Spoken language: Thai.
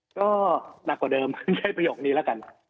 ก็หนักกว่าเดิมใช้ประโยคนี้แล้วกัน